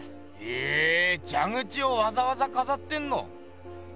へぇじゃ口をわざわざかざってんの。